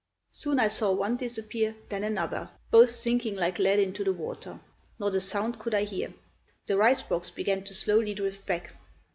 Soon I saw one disappear, then another, both sinking like lead into the water. Not a sound could I hear. The rice box began to slowly drift back.